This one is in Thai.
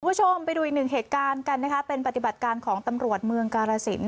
คุณผู้ชมไปดูอีกหนึ่งเหตุการณ์กันนะคะเป็นปฏิบัติการของตำรวจเมืองกาลสิน